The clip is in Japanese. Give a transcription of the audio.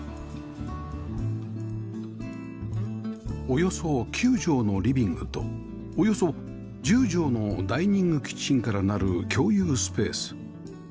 およそ９畳のリビングとおよそ１０畳のダイニングキッチンからなる共有スペース